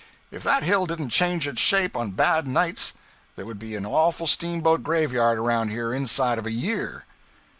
If that hill didn't change its shape on bad nights there would be an awful steamboat grave yard around here inside of a year.'